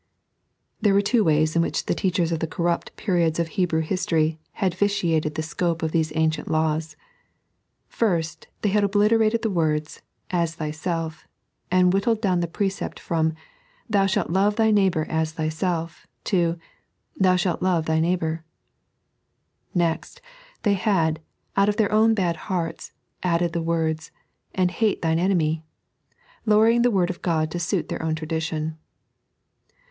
There were two ways in which the teachers of the corrupt periods of Hebrew history had vitiated the scope of these ancient laws. First, they had obliterated the words, " as thyself ;" and whittled down the precept from, " Thou shalt love thy neighbour as thyadf" to " Thou shalt love thy neighbour." Next, they had, out of their own bad hearts, added the words, " and hate thiru enemy" — lowering the Word of God to suit their own tradition.